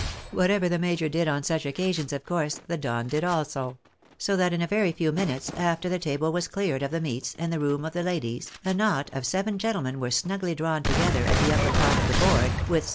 Whatever the major did on such occasions of course the Don did also ; so that in a very few minutes after the table was cleared of the meats, and the room of the ladies, a knot of seven gentlemen were snugly drawn together at the upper part of the board, with sp.